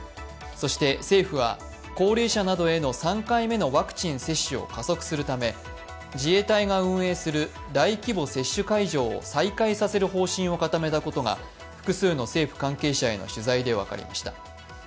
そして政府は高齢者などへの３回目のワクチン接種を加速するたる自衛隊が運営する大規模接種会場を再開させる方針を固めたことが複数の政府関係者への取材で分かりました。